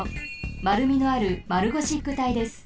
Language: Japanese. まるみのある丸ゴシック体です。